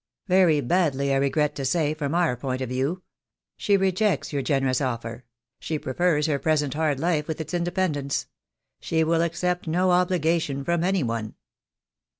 "Very badly, I regret to say, from our point of view. She rejects your generous offer. She prefers her present hard life, with its independence. She will accept no obligation from any one."